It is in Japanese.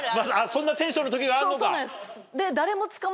そんなテンションの時があるのか。